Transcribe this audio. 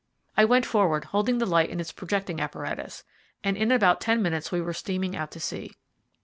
I went forward, holding the light in its projecting apparatus, and in about ten minutes we were steaming out to sea.